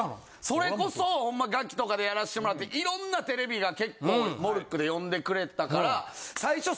それこそほんま『ガキ』とかでやらせてもらって色んなテレビが結構モルックで呼んでくれたから最初。